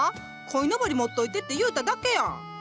「こいのぼり持っといて」って言うただけやん。